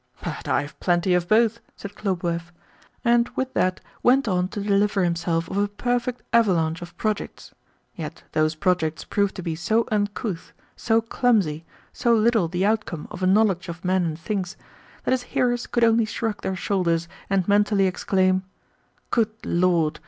"But I have plenty of both," said Khlobuev, and with that went on to deliver himself of a perfect avalanche of projects. Yet those projects proved to be so uncouth, so clumsy, so little the outcome of a knowledge of men and things, that his hearers could only shrug their shoulders and mentally exclaim: "Good Lord!